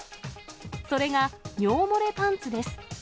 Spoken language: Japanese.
それが尿漏れパンツです。